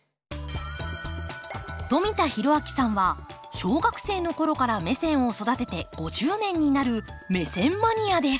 富田裕明さんは小学生の頃からメセンを育てて５０年になるメセンマニアです。